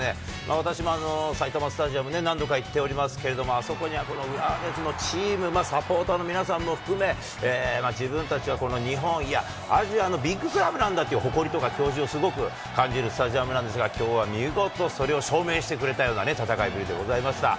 私も埼玉スタジアムで何度か行っておりますけれども、あそこには浦和レッズのチーム、サポーターの皆さんも含め、自分たちはこの日本、いや、アジアのビッグクラブなんだという誇りとか矜持をすごく感じるスタジアムなんですが、きょうは見事、それを証明してくれたような戦いぶりでございました。